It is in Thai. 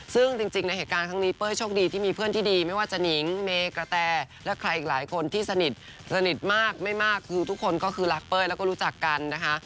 ซึ่งจริงในเหตุการณ์ครั้งนี้เป้ยโชคดีที่มีเพื่อนที่ดีไม่ว่าจะนิงเมกระแตและใครอีกหลายคนที่สนิทสนิทมากไม่มากคือทุกคนก็คือรักเป้ยแล้วก็รู้จักกันนะคะ